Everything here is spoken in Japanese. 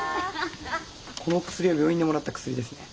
この薬は病院でもらった薬ですね。